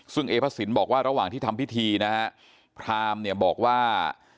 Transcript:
ซึ่งเอพระสินบอกว่าระหว่างที่ทำพิธีนะฮะพรามเนี่ยบอกว่า